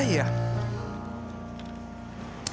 wah awas area pagi habebat